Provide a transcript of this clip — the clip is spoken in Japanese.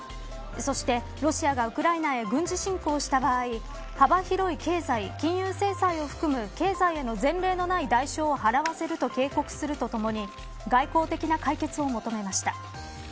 そして、ロシアがウクライナへ軍事侵攻した場合幅広い経済、金融制裁を含む経済への前例のない代償を払わせると警告するとともに外交的な解決を求めました。